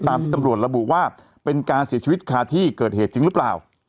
ที่ตำรวจระบุว่าเป็นการเสียชีวิตคาที่เกิดเหตุจริงหรือเปล่า